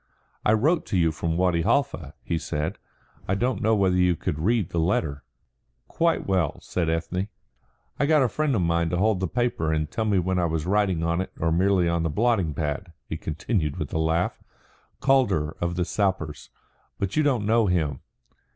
"I wrote to you from Wadi Halfa," he said. "I don't know whether you could read the letter." "Quite well," said Ethne. "I got a friend of mine to hold the paper and tell me when I was writing on it or merely on the blotting pad," he continued with a laugh. "Calder of the Sappers but you don't know him."